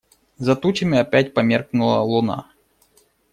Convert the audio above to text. За тучами опять померкнула луна.